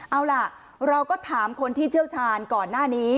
เอาล่ะเราก็ถามคนที่เชี่ยวชาญก่อนหน้านี้